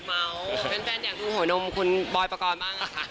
แฟนแฟนอยากดูหัวหนมคุณบอยปกรณ์บ้าง